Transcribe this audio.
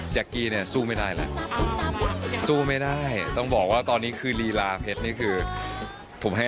เดรกที่น้องเจ๊กกี้ร้องไปเนี่ยเมื่อสักครู่นะ